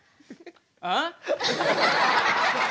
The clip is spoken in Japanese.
ああ！？